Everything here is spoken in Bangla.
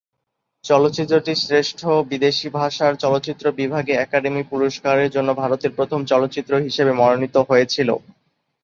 চলচ্চিত্রটি শ্রেষ্ঠ বিদেশী ভাষার চলচ্চিত্র বিভাগে একাডেমি পুরস্কারের জন্য ভারতের প্রথম চলচ্চিত্র হিসেবে মনোনীত হয়েছিল।